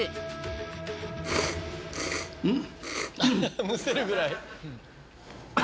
むせるぐらい？